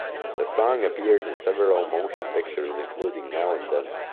The song appears in several motion pictures including Now and Then.